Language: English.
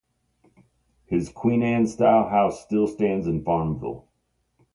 His Queen-Anne-style house still stands in Farmville.